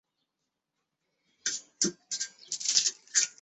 路易十二认为让理查取代亨利八世为英格兰国王更合自己的心意。